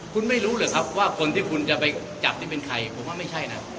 คุณไม่รู้เหรอครับว่าคนที่คุณจะไปจับนี่เป็นใครผมว่าไม่ใช่นะ